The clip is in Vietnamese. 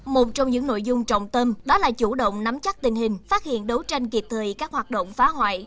một trong những nội dung trọng tâm đó là chủ động nắm chắc tình hình phát hiện đấu tranh kịp thời các hoạt động phá hoại